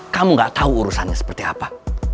kamu gak tahu urusannya seperti apa